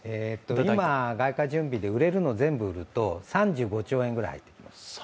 今、外貨準備で売れるのを全部売ると３５兆円ぐらい入ってきます。